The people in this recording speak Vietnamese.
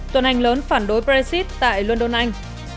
tuần hành lớn phản đối brexit tại london anh